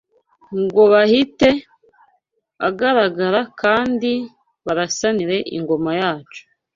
Ngo bahite abagaragara, Kandi barasanire ingoma yacu